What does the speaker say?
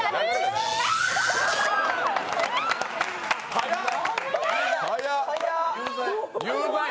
早っ。